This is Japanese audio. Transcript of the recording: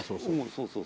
そうそう。